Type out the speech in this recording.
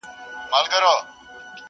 پخوانیو زمانو کي یو دهقان وو!!